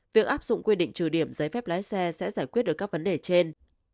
việc áp dụng quy định trừ điểm giấy phép lái xe sẽ giải quyết được các vấn đề trên